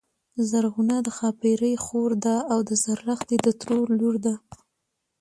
زرغونه د ښاپيرې خور ده او د زرلښتی د ترور لور ده